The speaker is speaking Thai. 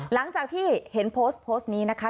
หลังจากที่เห็นโพสต์โพสต์นี้นะคะ